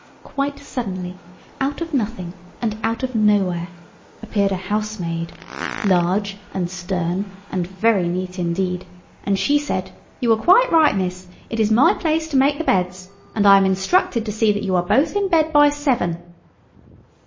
Quite suddenly, out of nothing and out of nowhere, appeared a housemaid—large and stern and very neat indeed, and she said— "You are quite right, miss; it is my place to make the beds. And I am instructed to see that you are both in bed by seven."